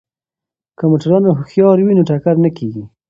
که موټروان هوښیار وي نو ټکر نه کیږي.